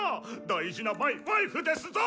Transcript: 大事なマイワイフですぞ！